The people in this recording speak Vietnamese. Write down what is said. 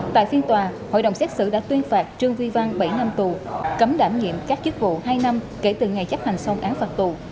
tại phiên tòa hội đồng xét xử đã tuyên phạt trương vi văn bảy năm tù cấm đảm nhiệm các chức vụ hai năm kể từ ngày chấp hành xong án phạt tù